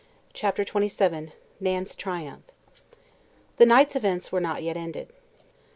CHAPTER XXVII NAN'S TRIUMPH The night's events were not yet ended.